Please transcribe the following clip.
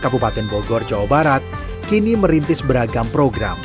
kabupaten bogor jawa barat kini merintis beragam program